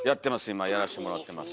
今やらしてもらってます。